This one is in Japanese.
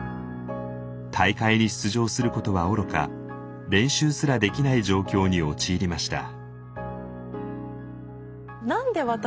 大会に出場することはおろか練習すらできない状況に陥りました。